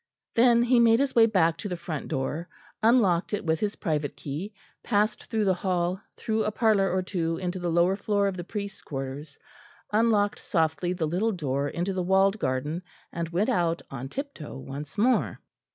Then he made his way back to the front door, unlocked it with his private key, passed through the hall, through a parlour or two into the lower floor of the priests' quarters; unlocked softly the little door into the walled garden, and went out on tip toe once more.